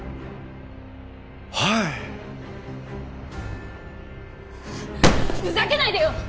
はいふざけないでよ！